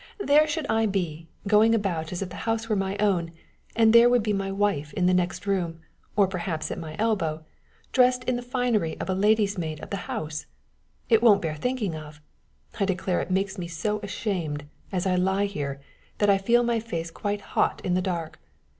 There should I be, going about as if the house were my own, and there would be my wife in the next room, or perhaps at my elbow, dressed in the finery of the lady's maid of the house! It won't bear thinking of! I declare it makes me so ashamed, as I lie here, that I feel my face quite hot in the dark!